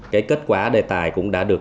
cái kết quả đề tài cũng đã được